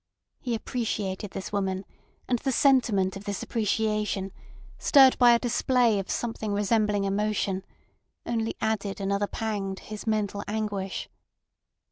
He appreciated this woman, and the sentiment of this appreciation, stirred by a display of something resembling emotion, only added another pang to his mental anguish.